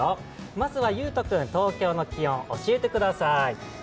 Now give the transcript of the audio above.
まずはゆうと君、東京の気温を伝えてください。